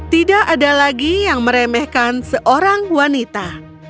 tidak ada lagi yang meremehkan seorang wanita